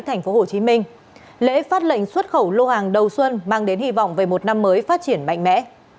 tp hcm lễ phát lệnh xuất khẩu lô hàng đầu xuân mang đến hy vọng về một năm mới phát triển mạnh mẽ